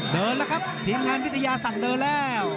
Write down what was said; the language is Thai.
เดินแล้วครับทีมงานวิทยาสั่งเดินแล้ว